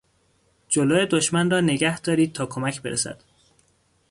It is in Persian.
جلو دشمن را نگهدارید تا کمک برسد.